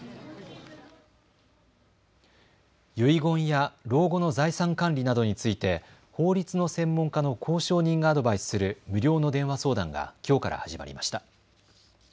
遺言や老後の財産管理などについて法律の専門家の公証人がアドバイスする無料の電話相談がきょうから始まりました。